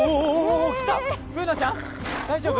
Ｂｏｏｎａちゃん、大丈夫？